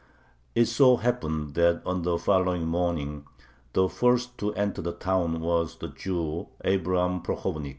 It so happened that on the following morning the first to enter the town was the Jew Abraham Prokhovnik.